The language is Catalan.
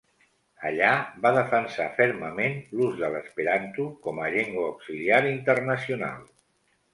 Allà va defensar fermament l'ús de l'esperanto com a llengua auxiliar internacional.